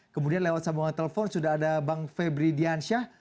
kemudian lewat sambungan telepon sudah ada bang febri diansyah